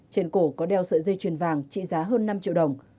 trên cổ có đeo sợi dây chuyền vàng trị giá hơn năm triệu đồng